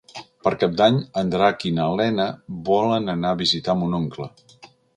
Per Cap d'Any en Drac i na Lena volen anar a visitar mon oncle.